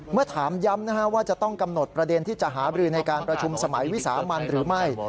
เมื่อถามย้ำว่าจะต้องกำหนดประเด็นที่จะหาบรือในการประชุมสมัยวิสามันหรือไม่